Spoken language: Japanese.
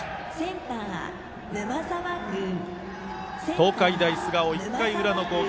東海大菅生、１回裏の攻撃。